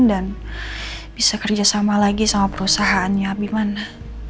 dan bisa kerjasama lagi sama perusahaannya abimana